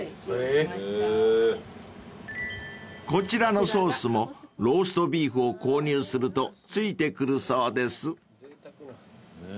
［こちらのソースもローストビーフを購入すると付いてくるそうです］